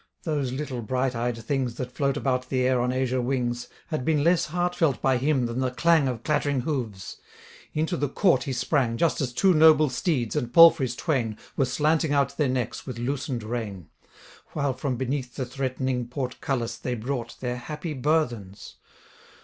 those little bright eyed things That float about the air on azure wings, Had been less heartfelt by him than the clang Of clattering hoofs; into the court he sprang, Just as two noble steeds, and palfreys twain, Were slanting out their necks with loosened rein; While from beneath the threat'ning portcullis They brought their happy burthens.